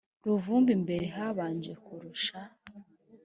ruvumbi mbere habanje ruvusha